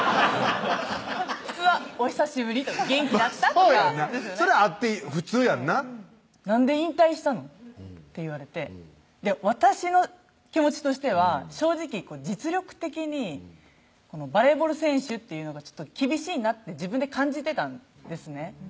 普通は「お久しぶり」とか「元気だった？」とかそうやんなそれあって普通やんな「なんで引退したの？」って言われて私の気持ちとしては正直実力的にバレーボール選手っていうのがちょっと厳しいなって自分で感じてたんですね